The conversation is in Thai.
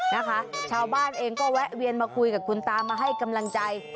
นะคะชาวบ้านเองก็แวะเวียนมาคุยกับคุณตามาให้กำลังใจ